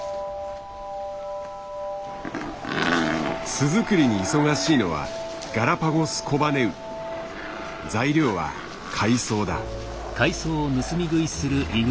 巣作りに忙しいのは材料は海藻だ。